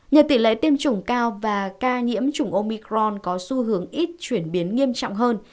nhờ tỷ lệ tiêm chủng cao và ca nhiễm chủng omicron có xu hướng ít chuyển biến nghiêm trọng hơn